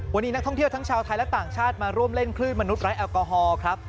วันนี้นักท่องเที่ยวทั้งชาวไทยและต่างชาติมาร่วมเล่นคลื่นมนุษย์ไร้แอลกอฮอล์ครับ